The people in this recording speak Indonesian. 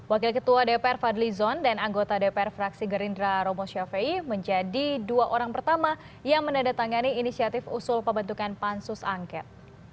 wakil ketua dpr fadli zon dan anggota dpr fraksi gerindra romo syafiei menjadi dua orang pertama yang menandatangani inisiatif usul pembentukan pansus angket